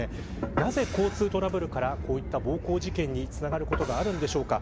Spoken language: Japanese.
なぜ、交通トラブルから暴行事件につながることがあるんでしょうか。